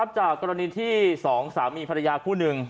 จากกรณีที่๒สามีภรรยาคู่หนึ่ง